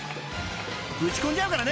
［打ち込んじゃうからね。